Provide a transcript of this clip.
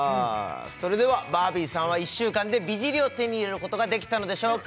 それではバービーさんは１週間で美尻を手に入れることができたのでしょうか